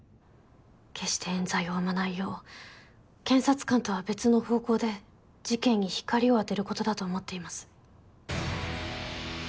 決して冤罪を生まないよう検察官とは別の方向で事件に光を当てることだと思っています